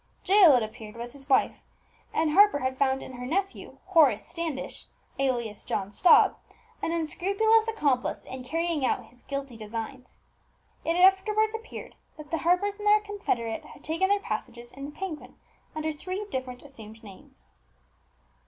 Jael, it appeared, was his wife; and Harper had found in her nephew, Horace Standish, alias John Stobb, an unscrupulous accomplice in carrying out his guilty designs. It afterwards appeared that the Harpers and their confederate had taken their passages in the Penguin under three different assumed names.